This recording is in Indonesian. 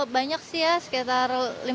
banyak sih ya sekitar lima ratus an jiwa